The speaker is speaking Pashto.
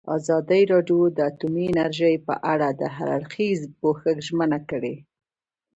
ازادي راډیو د اټومي انرژي په اړه د هر اړخیز پوښښ ژمنه کړې.